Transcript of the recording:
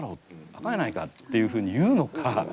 あかんやないか！」っていうふうに言うのか